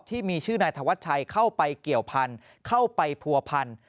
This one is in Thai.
ที่มีชื่อนายธวัชชัยเข้าไปเกี่ยวพันธุ์เข้าไปผัวพัน